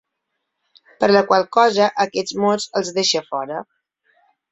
Per la qual cosa aquests mots els deixa fora.